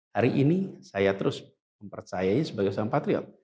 hari ini saya terus mempercayai sebagai seorang patriot